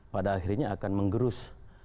pada akhirnya akan menggerus